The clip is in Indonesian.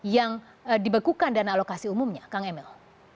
yang dibekukan dana alokasi umumnya kang emil